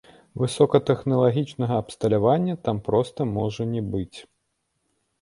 Высокатэхналагічнага абсталявання там проста можа не быць.